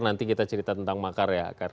nanti kita cerita tentang makar ya